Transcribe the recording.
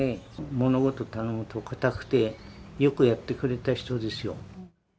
物事頼むと、かたくて、よくやってくれた人ですよ。